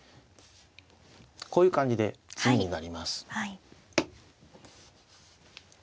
こういう感じで詰みになります。